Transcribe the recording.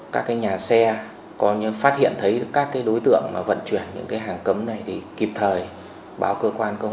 các nhà xe có phát hiện thấy các đối tượng vận chuyển những hàng cấm này thì kịp thời báo cơ quan công an